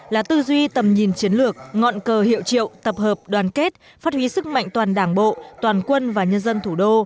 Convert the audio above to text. là tư duy tầm nhìn chiến lược ngọn cờ hiệu triệu tập hợp đoàn kết phát huy sức mạnh toàn đảng bộ toàn quân và nhân dân thủ đô